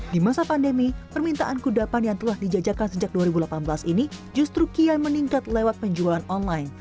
di masa pandemi permintaan kudapan yang telah dijajakan sejak dua ribu delapan belas ini justru kian meningkat lewat penjualan online